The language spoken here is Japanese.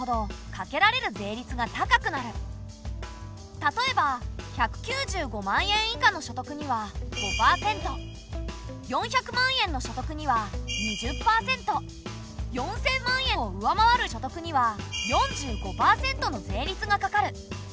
例えば１９５万円以下の所得には５％４００万円の所得には２０％４，０００万円を上回る所得には４５％の税率がかかる。